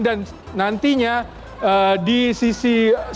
dan nantinya di sisi stadion